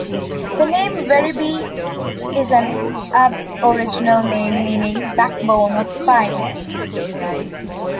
The name Werribee is an Aboriginal name meaning "backbone" or "spine".